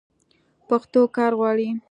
پښتو کار غواړي.